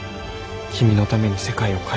君のために世界を変える。